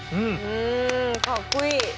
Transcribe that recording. うんかっこいい。